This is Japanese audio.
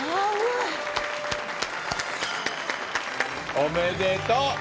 おめでとう。